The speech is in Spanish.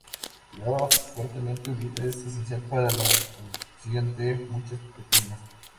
El agua fuertemente unida es esencial para la función de muchas proteínas.